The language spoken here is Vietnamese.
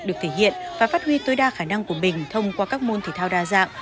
được thể hiện và phát huy tối đa khả năng của mình thông qua các môn thể thao đa dạng